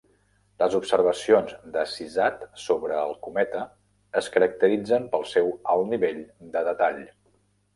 Les observacions de Cysat sobre el cometa es caracteritzen pel seu alt nivell de detall